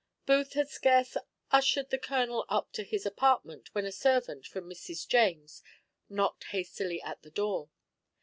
Booth had scarce ushered the colonel up to his apartment when a servant from Mrs. James knocked hastily at the door.